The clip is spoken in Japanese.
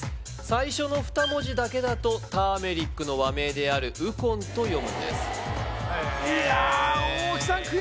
最初の２文字だけだとターメリックの和名である鬱金と読むんです